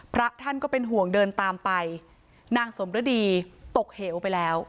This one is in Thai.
พระท่านก็เป็นห่วงเดินตามไปนางสมฤดีตกเหวไปแล้ว